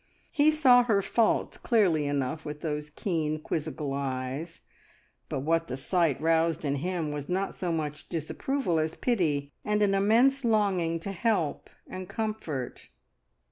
He saw her faults clearly enough with those keen, quizzical eyes; but what the sight roused in him was not so much disapproval as pity, and an immense longing to help and comfort.